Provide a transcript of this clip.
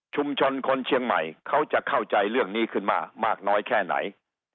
คนเชียงใหม่เขาจะเข้าใจเรื่องนี้ขึ้นมามากน้อยแค่ไหน